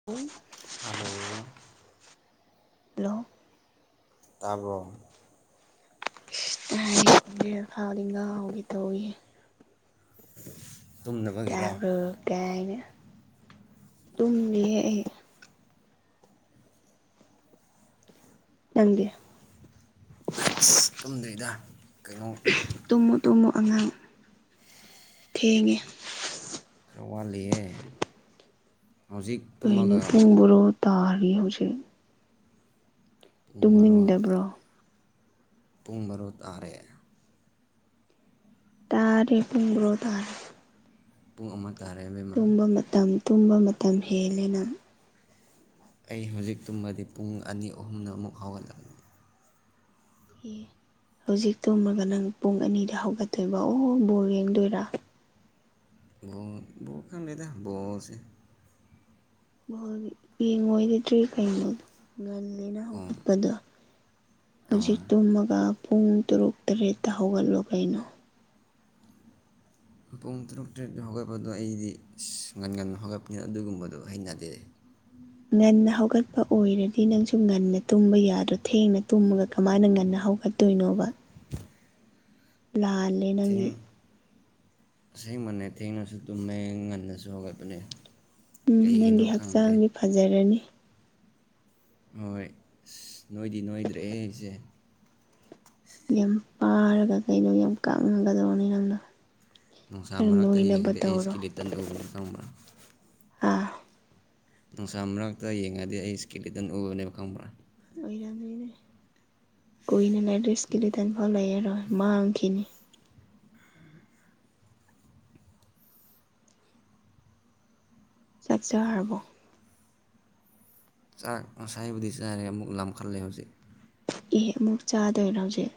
[unintelligible] hello hello ꯇꯥꯕ꯭ꯔ‌ꯣ ꯇꯥꯏꯑ‌ꯦ ꯕ‌ꯦꯜ ꯐꯥꯎꯗꯤ ꯉꯥꯎꯒ‌ꯦ ꯇꯧꯏꯍ‌ꯦ ꯇꯨꯝꯅꯕꯒꯤꯔꯣ ꯇꯥꯕ꯭ꯔꯣ ꯀꯥꯏꯅ ꯇꯨꯝꯃꯤꯍꯦ ꯑꯩ ꯅꯪꯗꯤ ꯑꯁ ꯇꯨꯝꯗ꯭ꯔꯤꯗ ꯀꯩꯅꯣ ꯇꯨꯝꯃꯣ ꯇꯨꯝꯃꯣ ꯑꯉꯥꯡ ꯊꯦꯡꯉ‌ꯦ ꯈ꯭ꯔ ꯋꯥꯠꯂꯤꯌꯦ ꯍꯧꯖꯤꯛ ꯀꯩꯅꯣ ꯇꯨꯝꯃꯒ ꯄꯨꯡ ꯕꯣꯔꯣ ꯇꯥꯔꯤ ꯍꯧꯖꯤꯛ ꯄꯨꯡ ꯕꯥꯔꯣ ꯇꯨꯝꯅꯤꯡꯗꯕ꯭ꯔꯣ ꯄꯨꯡ ꯕꯔꯣ ꯇꯥꯔ‌ꯦ ꯇꯥꯔꯦ ꯄꯨꯡ ꯕꯔꯣ ꯇꯔ‌ꯦ ꯄꯨꯡ ꯑꯃ ꯇꯥꯔꯦ ꯏꯕꯦꯝꯃ ꯇꯨꯝꯕ ꯃꯇꯝ ꯇꯨꯝꯕ ꯃꯇꯝ ꯍꯦꯜꯂꯦꯅꯪ ꯑꯩ ꯍꯧꯖꯤꯛ ꯇꯨꯝꯃꯗꯤ ꯄꯨꯡ ꯑꯅꯤ ꯑꯍꯨꯝꯅ ꯑꯃꯨꯛ ꯍꯧꯒꯠꯂꯥꯅꯤ ꯑꯦ ꯍꯧꯖꯤꯛ ꯇꯨꯝꯃꯒ ꯅꯪ ꯄꯨꯡ ꯑꯅꯤꯗ ꯍꯧꯒꯠꯇꯣꯏꯕ ꯑꯣ ꯕꯣꯜ ꯌꯦꯡꯗꯣꯏꯔꯥ ꯕ‌ꯣꯜ ꯕ‌ꯣ ꯈꯪꯗ‌ꯦꯗ ꯕ‌ꯣꯜꯁ‌ꯦ ‌ꯕ‌ꯣꯜ ꯌꯦꯡꯉꯣꯏꯗꯤꯗ꯭ꯔꯤ ꯀꯩꯅꯣ ꯉꯜꯂꯤꯅ ꯑꯣ ꯍꯧꯒꯠꯄꯗꯣ ꯑꯣ ꯍꯧꯖꯤꯛ ꯇꯨꯝꯃꯒ ꯄꯨꯡ ꯇꯔꯨꯛ ꯇꯔꯦꯠꯇ ꯍꯧꯒꯠꯂꯣ ꯀꯩꯅꯣ [inaudible] ꯄꯨꯡ ꯇꯔꯨꯛ ꯇꯔꯦꯠꯇ ꯍꯧꯒꯠꯄꯗꯣ ꯑꯩꯗꯤ ꯑꯁ ꯉꯟꯉꯟ ꯍꯧꯒꯠꯄꯅꯤ ꯑꯗꯨꯒꯨꯝꯕꯗꯣ ꯍꯩꯅꯗꯦ ꯉꯟꯅ ꯍꯧꯒꯠꯄ ꯑꯣꯏꯔꯗꯤ ꯅꯪꯁꯨ ꯉꯟꯅ ꯇꯨꯝꯕ ꯌꯥꯗ‌ꯣ ꯊꯦꯡꯅ ꯇꯨꯝꯃꯒ ꯀꯃꯥꯏꯅ ꯉꯟꯅ ꯍꯧꯒꯠ ꯇꯣꯏꯅꯣꯕ ꯂꯥꯟ ꯊꯦꯡ ꯑꯁꯦꯡꯕꯅꯦ ꯊꯦꯡꯅꯁꯨ ꯇꯨꯝꯃꯦ ꯉꯟꯅꯁꯨ ꯍꯧꯒꯠꯄꯅꯦ ꯎꯝ ꯀꯩꯒꯤꯅꯣ ꯅꯪꯒꯤ ꯈꯪꯗꯦ ꯍꯛꯆꯥꯡꯗꯤ ꯐꯖꯔꯅꯤ ꯍꯣꯏ ꯑꯁ ꯅꯣꯏꯗꯤ ꯅꯣꯏꯗ꯭ꯔ‌ꯦꯍ‌ꯦ ꯑꯩꯁꯦ ꯌꯥꯝ ꯄꯥꯔꯒ ꯀꯩꯅꯣ ꯌꯥꯝ ꯀꯥꯞꯅꯒꯗꯧꯕꯅꯤ ꯅꯪꯅ ꯅꯨꯡꯁꯥ ꯈꯔ ꯃꯔꯛꯇ ꯅꯣꯏꯅꯕ ꯌꯦꯡꯉꯗꯤ ꯑꯩ ꯇꯧꯔꯣ ꯏꯁꯀꯤꯂꯤꯇꯟ ꯎꯕꯅꯤ ꯈꯪꯕ꯭ꯔꯥ ꯑꯥ ꯅꯨꯡꯁꯥ ꯃꯔꯛꯇ ꯌꯦꯡꯉꯗꯤ ꯑꯩ ꯏꯁꯀꯦꯂꯤꯇꯟ ꯎꯕꯅꯦꯕ ꯈꯪꯕ꯭ꯔꯥ ꯑꯣꯏꯔꯝꯅꯤꯅ‌ꯦ ꯀꯨꯏꯅ ꯂꯩꯔ ꯏꯁꯀꯤꯂꯤꯇꯟ ꯐꯥꯎ ꯂꯩꯔꯔ‌ꯣꯏ ꯃꯥꯡꯈꯤꯅꯤ ꯆꯥꯛ ꯆꯔꯕ‌ꯣ ꯆꯥꯛ ꯉꯁꯥꯏꯕꯨꯗꯤ ꯆꯥꯔꯦ ꯑꯃꯨꯛ ꯂꯥꯝꯈꯠꯂꯦ ꯍꯧꯖꯤꯛ ꯑꯦ ꯑꯃꯨꯛ ꯆꯥꯗꯣꯏꯔ ꯍꯧꯖꯤꯛ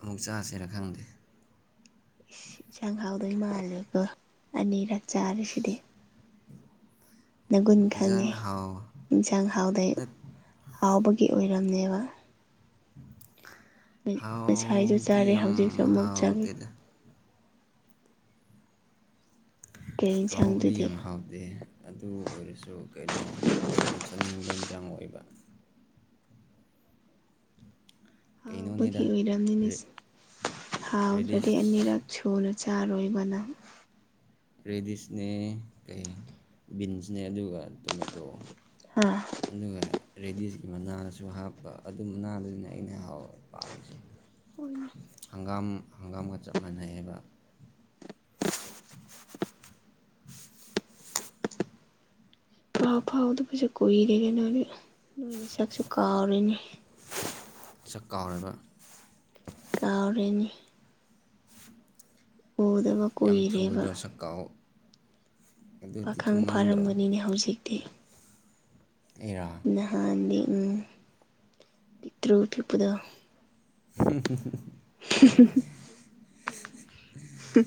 ꯑꯃꯨꯛ ꯆꯁꯤꯔꯥ ꯈꯪꯗꯦ ꯏꯟꯁꯥꯡ ꯍꯥꯎꯗ‌ꯣꯏ ꯃꯥꯜꯂꯦꯀ‌ꯣ ꯑꯅꯤꯔꯛ ꯆꯥꯔꯤꯁꯤꯗꯤ ꯅꯒꯨꯟ ꯈꯪꯉꯦ ꯏꯟꯖꯥꯡ ꯍꯥꯎ ꯏꯟꯁꯥꯡ ꯍꯥꯎꯗꯩ ꯅꯠ ꯍꯥꯎꯕꯒꯤ ꯑꯣꯏꯔꯝꯅꯦꯕ ꯉꯁꯥꯏꯁꯨ ꯍꯥꯎꯗꯤ ꯆꯥꯔꯦ ꯌꯥꯝ ꯍꯧꯖꯤꯛꯁꯨ ꯑꯃꯨꯛ ꯍꯥꯎ ꯆꯥꯒꯦ ꯇ‌ꯦꯗ ꯀꯩ ꯍꯥꯎꯕꯗꯤ ꯌꯦꯟꯁꯥꯡꯗꯨꯗꯤ ꯌꯥꯝ ꯍꯥꯎ ꯗ‌ꯦ ꯑꯗꯨ ꯑꯣꯏꯔꯁꯨ ꯀꯩꯅꯣ ꯑꯩꯅ ꯆꯥꯅꯤꯡꯕ ꯏꯟꯖꯥꯡ ꯑꯣꯏꯕ ꯍꯥꯎꯕꯒꯤ ꯀꯩꯅꯣꯅꯤꯗ ꯑꯣꯏꯔꯝꯅꯤꯅꯦ ꯔꯦ ꯍꯥꯎꯅꯣꯇ꯭ꯔꯗꯤ ꯔꯦꯗꯤꯁ ꯑꯅꯤꯔꯛ ꯁꯨꯅ ꯆꯥꯔꯣꯏꯕ ꯅꯪ [inaudible] ꯔꯦꯗꯤꯁꯅꯦ ꯀꯩ ꯕꯤꯟꯁꯅꯦ ꯑꯗꯨꯒ ꯇꯣꯃꯦꯇꯣ ꯍꯥ ꯑꯗꯨꯒ ꯔꯦꯗꯤꯁꯀꯤ ꯃꯅꯥꯁꯨ ꯍꯥꯞꯄ ꯑꯗꯨ ꯃꯅꯥꯕꯁꯤꯅ ꯑꯩꯅ ꯍꯥꯎꯋꯦ ꯄꯥꯝꯃꯤꯁꯦ ꯍꯣꯏꯅꯦ ꯍꯪꯒꯥꯝ ꯍꯪꯒꯥꯝꯒ ꯆꯞ ꯃꯥꯟꯅꯩꯑꯕ [inaudible] ꯄꯥꯎ ꯐꯥꯎꯗꯕꯁꯨ ꯀꯨꯏꯔꯦꯍꯦ ꯅꯣꯏꯗꯤ ꯅꯣꯏ ꯅꯁꯛꯁꯨ ꯀꯥꯎꯔꯤꯅꯦ ꯁꯛ ꯀꯥꯎꯔꯕ ꯀꯥꯎꯔꯦꯅꯤ ꯑꯣ ꯌꯥꯝ ꯊꯨꯒꯗ꯭ꯔꯣ ꯁꯛꯀꯥꯎ ꯄꯥꯈꯪ ꯐꯥꯔꯝꯕꯅꯤꯅꯦ ꯍꯧꯖꯤꯛꯇꯤ ꯑꯩꯔꯥ ꯅꯍꯥꯟꯗꯤ ꯎꯝ ꯄꯤꯛꯇ꯭ꯔꯨ ꯄꯤꯛꯄꯗꯣ [unintelligible] ꯍꯨ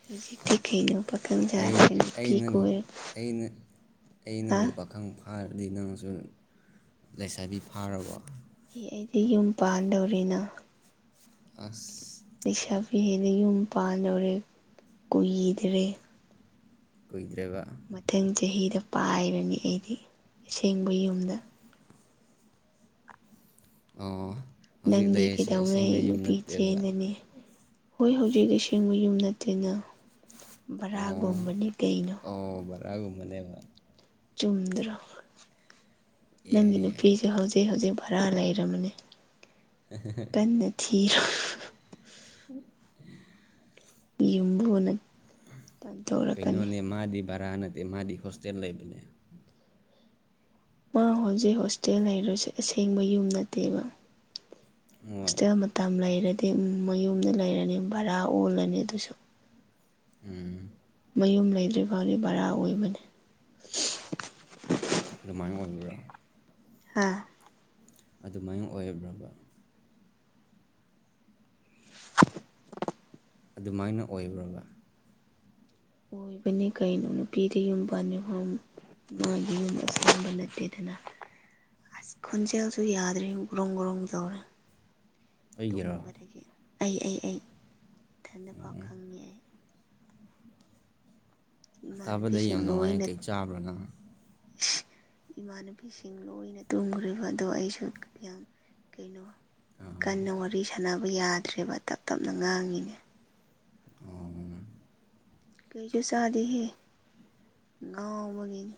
[inaudible] [unintelligible] ꯄꯥꯈꯪ ꯁꯥꯔꯒ ꯑꯩ ꯅꯨꯄꯤ ꯅꯪꯕꯨ ꯀꯣꯏꯔ ꯑꯩꯅ ꯍꯥ ꯑꯩꯅꯕꯨ ꯄꯥꯈꯪ ꯐ ꯐꯥꯔꯗꯤ ꯅꯪꯁꯨ ꯂꯩꯁꯥꯕꯤ ꯐꯥꯔꯕꯣ ꯑꯩꯗꯤ ꯌꯨꯝ ꯄꯥꯟꯗꯧꯔꯤꯅ ꯑꯁ ꯂꯩꯁꯥ ꯄꯤꯍꯦꯅꯦ ꯌꯨꯝ ꯄꯥꯟꯗꯧꯔꯦ ꯀꯨꯏꯗ꯭ꯔꯦ ꯀꯨꯏꯗ꯭ꯔꯦꯕ ꯃꯊꯪ ꯆꯍꯤꯗ ꯄꯥꯏꯔꯅꯤ ꯑꯩꯗꯤ ꯑꯁꯦꯡꯕꯩ ꯌꯨꯝꯗ ꯑꯥꯪꯚ ꯅꯪꯗꯤ ꯀꯩꯗꯧꯅꯩ ꯅꯨꯄꯤ ꯆꯦꯅꯒꯅꯤ ꯍꯣꯏ ꯍꯧꯖꯤꯛ ꯑꯁꯦꯡꯕ ꯌꯨꯝ ꯅꯠꯇꯦꯅ ꯕꯔꯥꯒꯨꯝꯕꯅꯦ ꯀꯩꯅꯣ ꯇꯥꯒꯨꯝ ꯃꯅꯦꯕ ꯆꯨꯝꯗ꯭ꯔꯣ ꯅꯪꯒꯤ ꯌꯥꯏ ꯌꯥꯏ ꯅꯨꯄꯤꯁꯨꯦ ꯍꯧꯖꯤꯛ ꯍꯧꯖꯤꯛ ꯚꯔꯥ ꯂꯩꯔꯕꯅꯤ ꯍ ꯀꯟꯅ ꯊꯤꯔ [unintelligible] ꯌꯨꯝꯕꯨꯅ ꯇꯥꯟꯊꯣꯔꯛꯀꯅꯤ ꯀꯩꯅꯣꯅꯦ ꯃꯥꯗꯤ ꯚꯔꯥ ꯅꯠꯇꯦ ꯃꯥꯗꯤ ꯍꯣꯁꯇꯦꯜ ꯂꯩꯕꯅꯦ ꯃꯥ ꯍꯧꯖꯤꯛ ꯍꯣꯁꯇꯦꯜ ꯂꯩꯔꯁꯦ ꯑꯁꯦꯡꯕ ꯌꯨꯝ ꯅꯠꯇꯦꯕ ꯍꯣꯏ ꯍꯣꯁꯇꯦꯜ ꯃꯇꯝ ꯂꯩꯔꯗꯤ ꯃꯌꯨꯝꯗ ꯂꯩꯔꯅꯤ ꯕꯔꯥ ꯑꯣꯜꯂꯅꯤ ꯑꯗꯨꯁꯨ ꯎꯝ ꯃꯌꯨꯝ ꯂꯩꯗ꯭ꯔꯤ ꯐꯥꯎꯗꯤ ꯕꯔꯥ ꯑꯣꯏꯕꯅꯤ ꯑꯗꯨꯃꯥꯏꯅ ꯑꯣꯏꯕ꯭ꯔꯥ ꯍꯥ ꯑꯗꯨꯃꯥꯏꯅ ꯑꯣꯏꯔꯕ꯭ꯔꯕ ꯑꯗꯨꯃꯥꯏꯅ ꯑꯣꯏꯕ꯭ꯔꯕ ꯑꯣꯏꯕꯅꯤ ꯀꯩꯅꯣ ꯅꯨꯄꯤꯗꯤ ꯌꯨꯝ ꯄꯨꯟꯗꯔꯤ ꯐꯥꯎ ꯅꫭꯏꯒꯤ ꯌꯨꯝ ꯑꯁꯦꯡꯕ ꯅꯠꯇꯦꯗꯅ ꯑꯁ ꯈꫭꯟꯖꯦꯜꯁꯨ ꯌꯥꯗ꯭ꯔꯦ ꯒ꯭ꯔꯣꯡ ꯒ꯭ꯔꯣꯡ ꯇꯧꯔꯦ ꯑꯩꯒꯤꯔꯣ ꯇꯨꯝꯕꯗꯒꯤ ꯑꯩ ꯑꯩ ꯑꯩ ꯏꯊꯟꯗ ꯄꯥꯎ ꯈꯪꯉꯤ ꯑꯩ ꯇꯥꯥꯕꯗ ꯏꯃꯥꯟꯅꯕꯤꯁꯤꯡ ꯌꯥꯝ ꯅꯨꯡꯉꯥꯏ ꯂꯣꯏꯅ ꯀꯩ ꯆꯥꯕ꯭ꯔꯥ ꯅꯪ ꯏꯃꯥꯟꯅꯕꯤꯁꯤꯡ ꯂꯣꯏꯅ ꯇꯨꯝꯈꯔꯤꯕ ꯑꯗꯣ ꯑꯩꯁꯨ ꯌꯥꯝ ꯀꯩꯅꯣ ꯀꯟꯅ ꯋꯥꯔꯤ ꯁꯥꯟꯅꯕ ꯌꯥꯗ꯭ꯔꯦꯕ ꯇꯞ ꯇꯞꯅ ꯉꯥꯡꯉꯤꯅꯦ ꯑꫭꯝ ꯀꯩꯁꯨ ꯆꯥꯗꯦꯍꯦ ꯉꯥꯎꯕꯒꯤꯅꯤ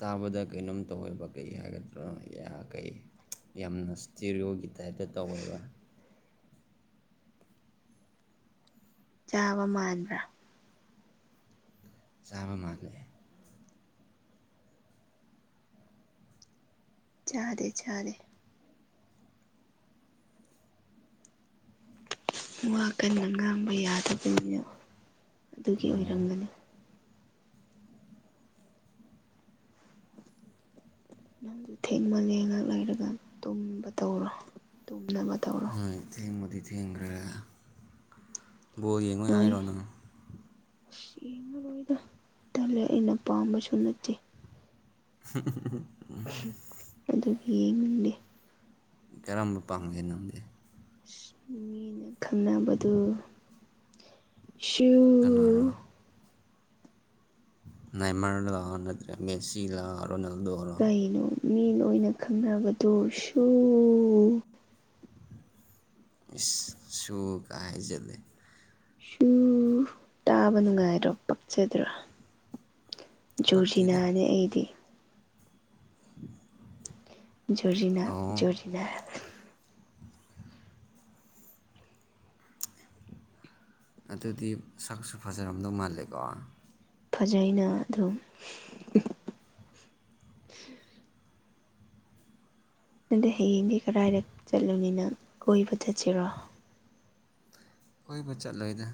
ꯇꯥꯕꯗ ꯀꯩꯅꯣꯝ ꯇꯧꯋꯦꯕ ꯀꯩ ꯍꯥꯏꯒꯗ꯭ꯔꯣ ꯌꯥ ꯀꯩ ꯌꯥꯝꯅ ꯏꯁꯇꯦꯔꯤꯑꯣꯒꯤ ꯇꯥꯏꯞꯇ ꯇꯧꯋꯦꯕ ꯆꯥꯕ ꯃꯥꯟꯕ꯭ꯔꯥ ꯆꯥꯕ ꯃꯥꯜꯂꯦ ꯆꯥꯗꯦ ꯆꯥꯗꯦ ꯋꯥ ꯀꯟꯅ ꯉꯥꯡꯕ ꯌꯥꯗꯕꯅꯤꯅ ꯑꯗꯨꯒꯤ ꯑꯣꯏꯔꯝꯒꯅꯤ [inaudible] ꯅꯪꯁꯨ ꯊꯦꯡꯃꯜꯂꯦ ꯉꯍꯥꯛ ꯂꯩꯔꯒ ꯇꯨꯝꯕ ꯇꯧꯔꯣ ꯇꯨꯝꯅꯕ ꯇꯧꯔꯣ ꯍꯣꯏ ꯊꯦꯡꯕꯨꯗꯤ ꯊꯦꯡꯈ꯭ꯔꯦ ꯕꯣꯜ ꯌꯦꯡꯉꯣꯏ ꯅꯣꯏ ꯍꯥꯏꯔꯣ ꯅꯪ ꯌꯦꯡꯉꯔꯣꯏꯗ ꯇꯜꯂꯦ ꯑꯩꯅ ꯄꯥꯝꯕꯁꯨ ꯅꯠꯇꯦ [inaudible] ꯑꯗꯨꯒꯤ ꯌꯦꯡꯅꯤꯡꯗꯦ ꯀꯔꯝꯕ ꯄꯥꯝꯒꯦ ꯅꯪꯗꯤ ꯃꯤꯅ ꯈꯪꯅꯕꯗꯨ ꯁꯨ ꯀꯅꯥꯔꯣ ꯅꯦꯏꯃꯥꯔ ꯂꫭ ꯅꯠꯇ꯭ꯔꯦ ꯃꯦꯁꯤꯂꫭ ꯔꯣꯅꯥꯜꯗꯣ ꯀꯩꯅꯣ ꯃꯤ ꯂꫭꯏꯅ ꯈꯪꯅꯕꯗꯨꯁꯨ ꯏꯁ ꯁꯨ ꯀꯥꯏ ꯍꯥꯏꯖꯤꯜꯂꯦ ꯁꯨ ꯇꯥꯕ ꯅꯨꯡꯉꯥꯏꯗ꯭ꯔꯣ ꯄꯛꯆꯗ꯭ꯔꫭ ꯄꯛꯇꯦꯗ ꯖꯣꯔꯖꯤꯅꯥꯅꯦ ꯑꯩꯗꯤ ꯖꯣꯔꯖꯤꯅ ꯑꯣ ꯖꯣꯔꯖꯤꯅ ꯑꯗꯨꯗꯤ ꯁꯛꯁꯨ ꯐꯖꯔꯝꯗꯧ ꯃꯥꯜꯂꯦꯀꯣ ꯐꯖꯩꯅ ꯑꯗꯨꯝ ꯅꯪꯗꯤ ꯍꯌꯦꯡꯗꯤ ꯀꯗꯥꯏꯗ ꯆꯠꯂꯨꯅꯤ ꯅꯪ ꯀꯣꯏꯕ ꯆꯠꯁꯤꯔꯣ ꯀꯣꯏꯕ ꯆꯠꯂꯣꯏꯗ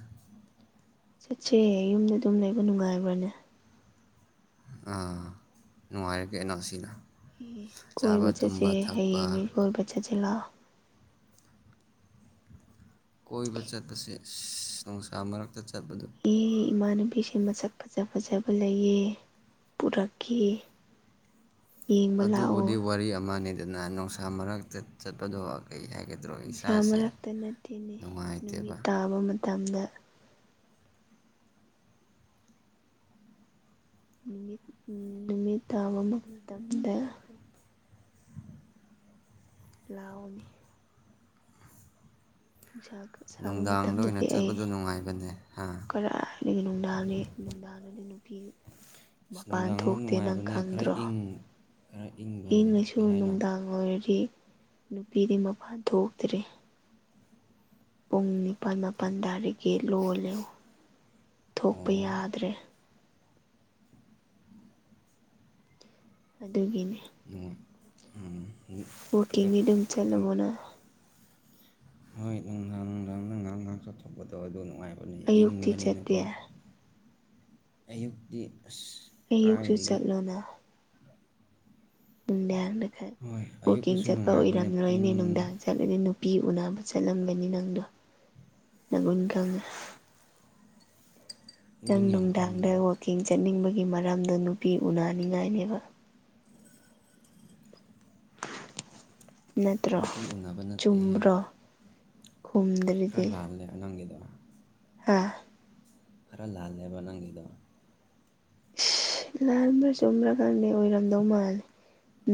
ꯆꯠꯁꯦ ꯌꯨꯝꯗ ꯑꯗꯨꯝ ꯂꯩꯕ ꯅꯨꯡꯉꯥꯏꯕ꯭ꯔꯥꯅꯦ ꯑꯥ ꯅꯨꯡꯉꯥꯏꯔꯦ ꯀꯩꯅꫭ ꯁꯤꯅ ꯀꯣꯏꯕ ꯆꯥꯕ ꯆꯠꯁꯦ ꯇꯨꯝꯕ ꯍꯌꯦꯡꯅꯦ ꯊꯛꯄ ꯀꯣꯏꯕ ꯆꯠꯁꯦ ꯂꯥꯛꯑꯣ ꯀꯣꯏꯕ ꯆꯠꯄꯁꯦ ꯑꯁ ꯅꯨꯡꯁꯥ ꯃꯔꯛꯇ ꯆꯠꯄꯗꫭ ꯑꯦ ꯏꯃꯥꯟꯅꯕꯤꯁꯤꯡ ꯃꯁꯛ ꯐꯖ ꯐꯖꯕ ꯂꯩꯌꯦ ꯄꯨꯔꯛꯀꯦ ꯌꯦꯡꯕ ꯂꯥꯛꯑꯣ ꯑꯗꯨꯕꯨꯗꯤ ꯋꯥꯔꯤ ꯑꯃꯅꯦꯗꯅ ꯅꯨꯡꯁꯥ ꯃꯔꯛꯇ ꯆꯠꯄꯗꯣ ꯀꯔꯤ ꯍꯥꯏꯒꯦ ꯅꯨꯡꯁꯥ ꯃꯔꯛꯇ ꯅꯠꯇꯦꯅꯦ ꯅꯨꯃꯤꯠ ꯅꯨꯡꯉꯥꯏꯇꯦꯕ ꯇꯥꯕ ꯃꯇꯝꯗ ꯅꯨꯃꯤꯠ ꯅꯨꯃꯤꯠ ꯇꯥꯕ ꯃꯇꯝꯗ ꯂꯑꯣꯅꯦ ꯅꯨꯡꯁꯥ ꯁꯥꯕ ꯅꯨꯡꯗꯥꯡ ꯑꯣꯏꯅ ꯃꯇꯝꯗꯗꯤ ꯑꯩ ꯆꯠꯄꯗꯣ ꯅꯨꯡꯉꯥꯏꯕꯅꯦ ꯍꯥ ꯈꯔ ꯍꯥꯏꯗꯒꯤ ꯅꯨꯡꯗꯥꯡꯅꯤ ꯅꯨꯡꯗꯥꯡꯗꯗꯤ [unintelligible] ꯑꯁ ꯃꯄꯥꯟ ꯅꯨꯡꯗꯥꯡꯗ ꯊꯣꯛꯇꯦ ꯅꯪ ꯅꯨꯡꯉꯥꯏꯕꯅꯦ ꯈꯔ ꯈꯪꯗ꯭ꯔꯣ ꯏꯪ ꯈꯔ ꯏꯪꯕꯅꯦ ꯏꯪꯉꯁꯨ ꯀꯩ ꯍꯥꯏꯅꯣ ꯅꯨꯡꯗꯥꯡ ꯑꯣꯏꯗꯤ ꯅꯨꯄꯤꯗꯤ ꯃꯄꯥꯟ ꯊꯣꯛꯇ꯭ꯔꯦ ꯄꯨꯡ ꯅꯤꯄꯥꯜ ꯃꯥꯄꯜ ꯇꯥꯔꯖꯤ ꯒꯦꯜ ꯂꯣꯜꯂꯦ ꯊꯣꯛꯄ ꯑꯣ ꯌꯥꯗ꯭ꯔꯦ ꯑꯗꯨꯒꯤꯅꯤ ꯋꯥꯛꯀꯤꯡꯗꯤ ꯑꯗꯨꯝ [inaudible] ꯆꯠꯂꯕꯣꯅ ꯍꯣꯏ ꯅꯨꯡꯗꯥꯡ ꯅꯨꯡꯗꯥꯡ ꯅꯨꯡꯍꯥꯡ ꯉꯍꯥꯛ ꯆꯠꯊꯣꯛꯄꯗꯣ ꯑꯗꯨ ꯅꯨꯡꯉꯥꯏꯕ ꯑꯌꯨꯛꯇꯤ ꯆꯠꯇꯦ ꯏꯪꯕꯅꯤꯅꯀꯣ ꯑꯌꯨꯛꯇꯤ ꯑꯁ ꯑꯌꯨꯛꯁꯨ ꯀꯥꯏꯗꯒꯤ ꯆꯠꯂꯣꯅ ꯅꯨꯡꯗꯥꯡꯅ ꯈ ꯍꯣꯏ ꯋꯥꯛꯀꯤꯡ ꯑꯌꯨꯛꯇꯁꯨ ꯆꯠꯄ ꯅꯨꯡꯉꯥꯏꯕꯅꯦ ꯄꯨꯡ ꯑꯣꯏꯔꯝꯂꯣꯏꯅꯦ ꯅꯨꯡꯗꯥ ꯑꯗꯨꯗꯤ ꯅꯨꯄꯤ ꯎꯅꯕ ꯆꯠꯂꯝꯒꯅꯤ ꯅꯪꯗꯣ ꯅꯒꯨꯟ ꯈꯪꯉꯦ ꯅꯪ ꯏꯚꯟ ꯌꯥꯝ ꯅꯨꯡꯗꯥꯡꯗ ꯈꯪꯕ꯭ꯔꯣ ꯋꯥꯛꯀꯤꯡ ꯆꯠꯅꯤꯡꯕꯒꯤ ꯃꯔꯝꯗꯣ ꯅꯨꯄꯤ ꯎꯅꯅꯤꯡꯉꯥꯏꯅꯦꯕ ꯅꯠꯇ꯭ꯔꯣ ꯅꯨꯄꯤ ꯎꯅꯕ ꯅꯠꯇꯦꯍꯦ ꯆꯨꯝ꯭ꯕꯔꯣ ꯈꯔ ꯂꯥꯜꯂꯦ ꯅꯪꯒꯤꯗꯣ ꯍꯥ ꯈꯔ ꯂꯥꯜꯂꯦꯕ ꯅꯪꯒꯤꯗꯣ ꯎꯁ ꯂꯥꯟꯕ꯭ꯔ ꯆꯨꯝꯕ꯭ꯔ ꯈꯪꯗꯦ ꯑꯣꯏꯔꯝꯗꯧ ꯃꯥꯜꯂꯦ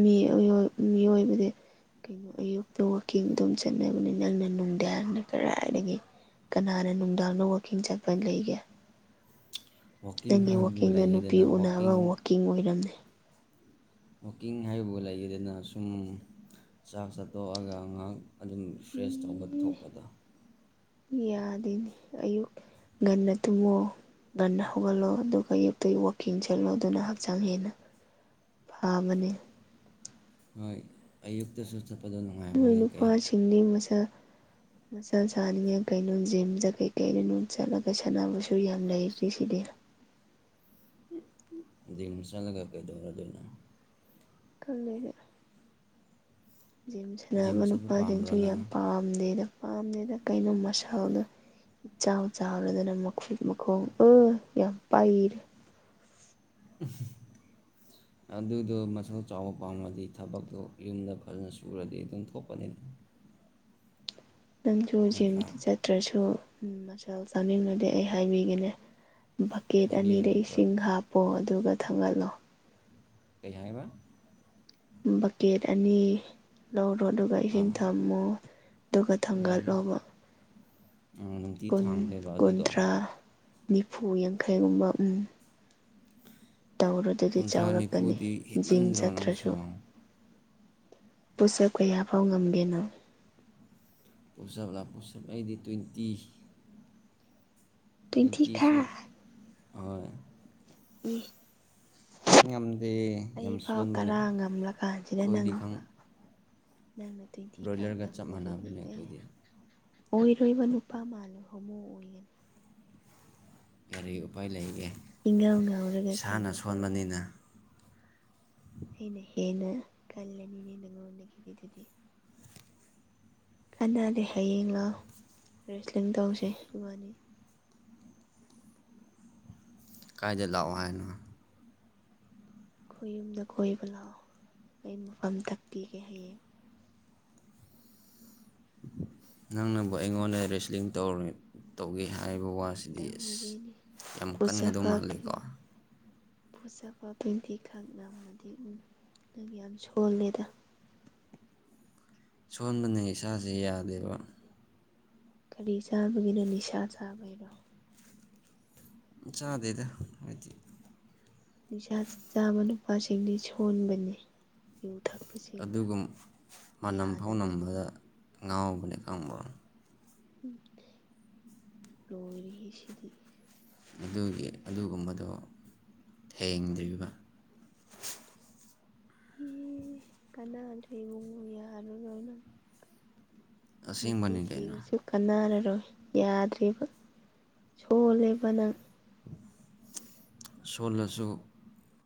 ꯃꯤ ꯃꯤꯑꯣꯏꯕꯗꯤ ꯀꯩꯅꯣ ꯑꯌꯨꯛꯇ ꯋꯥꯛꯀꯤꯡ ꯑꯗꯨꯝ ꯆꯠꯅꯕꯅꯤ ꯅꯪꯅ ꯅꯨꯡꯗꯥꯡꯗ ꯀꯗꯥꯏꯗꯒꯤ ꯀꯅꯥꯅ ꯅꯨꯡꯗꯥꯡꯗ ꯋꯥꯛꯀꯤꯡ ꯆꯠꯄ ꯂꯩꯒꯦ ꯋꯥꯛꯀꯤꯡ ꯅꯪꯒꯤ ꯍꯥꯏꯕꯕꯨ ꯋꯥꯛꯀꯤꯡꯗꯣ ꯅꯨꯄꯤ ꯂꯩꯌꯦꯗꯅ ꯎꯅꯕ ꯋꯥꯛꯀꯤꯡ ꯑꯣꯏꯔꯝꯅꯤ ꯋꯥꯛꯀꯤꯡ ꯍꯥꯏꯕꯕꯨ ꯂꯩꯗꯅ ꯁꯨꯝ ꯆꯥꯛ ꯆꯥꯊꯣꯛꯑꯒ ꯉꯥꯏꯍꯥꯛ ꯑꯗꯨꯝ ꯐ꯭ꯔꯦꯁ ꯇꯧꯕ ꯊꯣꯛꯄꯗꯣ ꯌꯥꯗꯦꯅꯦ ꯑꯌꯨꯛ ꯉꯟꯅ ꯇꯨꯝꯃꯣ ꯉꯟꯅꯥ ꯍꯧꯒꯠꯂꯣ ꯑꯗꯨꯒ ꯑꯌꯨꯛꯇꯩ ꯋꯥꯛꯀꯤꯡ ꯆꯦꯜꯂꯣ ꯑꯗꯨꯅ ꯍꯛꯆꯥꯡ ꯍꯦꯟꯅ ꯐꯕꯅꯦ ꯍꯣꯏ ꯑꯌꯨꯛꯇꯁꯨ ꯆꯠꯄꯗꯣ ꯅꯨꯡꯉꯥꯏꯕꯅꯦ ꯀꯩ ꯅꯤꯡ ꯃꯁꯥ ꯃꯆꯥ ꯁꯥꯅꯤꯡꯉꯥꯏ ꯀꯩꯅꯣ ꯖꯤꯝ ꯖꯥ ꯀꯩ ꯅꯨꯪ ꯆꯠꯂꯒ ꯁꯥꯟꯅꯕꯁꯨ ꯌꯥꯝ ꯂꯩꯔꯤꯁꯤꯗꯤ ꯖꯤꯝ ꯆꯠꯂꯒꯥ ꯀꯩꯗꯧꯅꯗꯣꯏꯅꯣ ꯀꯜꯂꯛꯑꯦ ꯖꯤꯝ ꯁꯅꯕ ꯖꯤꯝ ꯆꯠꯄ ꯅꯨꯄꯥꯁꯤꯡꯁꯨ ꯄꯥꯝꯕ꯭ꯔꯣ ꯌꯥꯝ ꯅꯪ ꯄꯥꯝ ꯄꯥꯝꯗꯦꯗ ꯄꯥꯝꯗꯦꯗ ꯀꯩꯅꯣ ꯃꯁꯜꯗꯣ ꯏꯆꯥꯎ ꯆꯥꯎꯔꯗꯅ ꯃꯈꯨꯠ ꯃꯈꯣꯡ ꯑꯥ ꯌꯥꯝ ꯄꯥꯏꯔꯦ ꯎꯝ ꯑꯗꯨꯗꯣ ꯃꯁꯜ ꯆꯥꯎꯕ ꯄꯥꯝꯃꯗꯤ ꯊꯕꯛꯇꯣ ꯌꯨꯝꯗ ꯐꯖꯅ ꯁꯨꯔꯗꯤ ꯑꯗꯨꯝ ꯊꯣꯛꯄꯅꯤꯗ ꯅꯪꯁꯨ ꯖꯤꯝ ꯅꯠꯇ꯭ꯔꯥ ꯆꯠꯇ꯭ꯔꯁꯨ ꯃꯁꯜ ꯆꯥꯎꯅꯤꯡꯉꯥꯗꯤ ꯑꯩ ꯍꯥꯏꯕꯤꯒꯦꯅꯦ ꯕꯛꯀꯦꯠ ꯑꯅꯤꯗ ꯍꯥꯏꯕꯤꯌꯨꯅꯦ ꯈꯔ ꯏꯁꯤꯡ ꯍꯥꯞꯄꯣ ꯑꯗꯨꯒ ꯊꯥꯡꯒꯠꯂꯣ ꯀꯩ ꯍꯥꯏꯕ ꯕꯛꯀꯦꯠ ꯑꯅꯤ ꯂꯧꯔꯣ ꯑꯗꯨꯒ ꯏꯁꯤꯡ ꯑꯥ ꯊꯝꯃꯣ ꯑꯗꯨꯒ ꯊꯥꯡꯒꯠꯂꯣꯕ ꯑꯥ ꯅꯨꯡꯇꯤ ꯀꯨꯟ ꯊꯥꯡꯗꯣꯏꯕ ꯑꯗꯨꯗꯣ ꯀꯨꯟꯊ꯭ꯔꯥ ꯅꯤꯐꯨ ꯌꯥꯡꯈꯩꯒꯨꯝꯕ ꯎꯨꯝ ꯇꯧꯔꯗꯗꯤ ꯀꯨꯟꯊ꯭ꯔꯥ ꯆꯥꯎꯔꯛꯀꯅꯤ ꯅꯤꯐꯨꯗꯤ ꯖꯤꯝ ꯍꯦꯟꯃꯟꯗ꯭ꯔꯣ ꯅꯪꯁꯨ ꯆꯠꯇ꯭ꯔꯁꯨ ꯄꯨꯁ ꯑꯞ ꯀꯌꯥꯐꯥꯎ ꯉꯝꯒꯦ ꯅꯪ ꯄꯨꯁ ꯑꯞꯂꯣꯄꯨꯁ ꯑꯞ ꯑꯩꯗꯤ ꯇ꯭ꯋꯦꯟꯇꯤ ꯇ꯭ꯋꯦꯟꯇꯤ ꯇ꯭ꯋꯦꯟꯇꯤꯁꯨ ꯈꯛ ꯍꯣꯏ ꯏ ꯉꯝꯗꯦ ꯌꯥꯝ ꯑꯩꯐꯥꯎ ꯁꯣꯟꯕꯅꯦ ꯇꯔꯥ ꯉꯝꯂꯀꯥꯟꯁꯤꯗ ꯑꯩꯈꯣꯏꯗꯤ ꯅꯪꯐ ꯈꯪ ꯅꯪꯅ ꯕ꯭ꯔꯣꯏꯂꯔꯒ ꯆꯞ ꯃꯥꯟꯅꯕꯅꯦ ꯑꯦ ꯑꯩꯈꯣꯏꯗꯤ ꯑꯣꯏꯔꯣꯏꯕ ꯅꯨꯄꯥ ꯃꯥꯜꯂꯦ ꯍꯣꯃꯣ ꯑꯣꯏꯒꯅꯤ ꯒꯔꯤ ꯎꯄꯥꯏ ꯂꯩꯒꯦ ꯏꯉꯥꯎ ꯉꯥꯎꯔꯒ ꯀꯩꯅꯣ ꯏꯁꯥꯅ ꯁꯣꯟꯕꯅꯤꯅ ꯇꯧꯔꯝꯃꯤꯅꯦ ꯑꯩꯅ ꯍꯦꯟꯅ ꯀꯜꯂꯅꯤꯅꯦ ꯅꯉꯣꯟꯗꯒꯤ ꯑꯗꯨꯗꯤ ꯀꯥꯟꯅꯗꯦ ꯍꯌꯦꯡ ꯂꯥꯎ ꯔꯦꯁꯂꯤꯡ ꯇꯧꯁꯦ ꯏꯕꯅꯤ ꯀꯥꯏꯗ ꯂꯥꯛꯑꯣ ꯍꯥꯏꯅꯣ ꯑꯩꯈꯣꯏ ꯌꯨꯝꯗ ꯀꯣꯏꯕ ꯂꯥꯛꯑꯣ ꯑꯩ ꯃꯐꯝ ꯇꯛꯄꯤꯒꯦ ꯍꯌꯦꯡ ꯅꯪꯅꯕꯨ ꯑꯩꯉꯣꯟꯗ ꯔꯦꯁꯂꯤꯡ ꯇꯧꯔꯦ ꯇꯧꯒꯦ ꯍꯥꯏꯕ ꯋꯥꯁꯦ ꯗꯤ ꯏꯁ ꯇꯧꯒꯦꯅꯦ ꯌꯥꯝ ꯀꯟꯒꯗꯧ ꯃꯥꯂꯦꯀꯣ ꯄꯨꯁ ꯑꯞ ꯐꯥꯎ ꯇꯨꯋꯦꯟꯇꯤ ꯈꯛ ꯉꯝꯃꯗꯤ ꯎꯝ ꯅꯪ ꯌꯥꯝ ꯁꯣꯜꯂꯦꯗ ꯁꯣꯟꯕꯅꯦ ꯏꯁꯥꯁꯦ ꯌꯥꯗꯦꯕ ꯀꯔꯤ ꯆꯥꯕꯒꯤꯅꯣ ꯅꯤꯁꯥ ꯆꯥꯕꯩꯔꯣ ꯆꯗꯦꯗ ꯍꯥꯏꯗꯤ ꯅꯤꯁꯥ ꯆꯥꯕ ꯅꯨꯄꯥꯁꯤꯡꯗꯤ ꯁꯣꯟꯕꯅꯦ ꯑꯗꯨꯒꯨꯝ ꯃꯅꯝ ꯐꯥꯎ ꯌꯥꯗꯕꯅꯤ ꯅꯝꯕꯗ ꯉꯥꯎꯕꯅꯦ ꯈꯪꯕ꯭ꯔꯣ ꯎꯝ ꯂꯣꯏꯔꯦꯍꯦꯁꯤꯗꯤ ꯑꯗꯨꯒꯤ ꯑꯗꯨꯒꯨꯝꯕꯗꯣ ꯊꯦꯡꯗ꯭ꯔꯤꯕ [inaudible] ꯑꯟꯅꯥ ꯊꯣꯏꯕꯨꯡ [unintelligible] ꯑꯁꯦꯡꯕꯅꯤ ꯀꯩꯅꯣ ꯀꯥꯟꯅꯔꯔꯣꯏ ꯌꯥꯗ꯭ꯔꯦꯕ ꯁꯣꯜꯂꯦꯕ ꯅꯪ ꯁꯣꯜꯂꯁꯨ